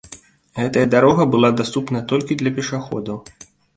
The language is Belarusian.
Гэтая дарога была даступная толькі для пешаходаў.